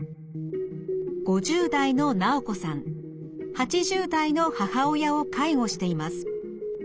８０代の母親を介護しています。